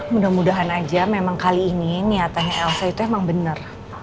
mudah mudahan aja memang kali ini niatnya elsa itu emang bener